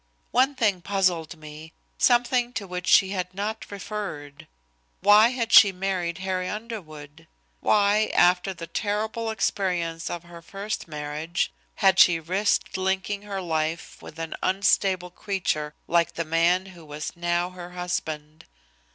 One thing puzzled me, something to which she had not referred why had she married Harry Underwood? Why, after the terrible experience of her first marriage, had she risked linking her life with an unstable creature like the man who was now her husband?